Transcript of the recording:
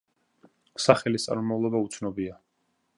სახელის წარმომავლობა უცნობია.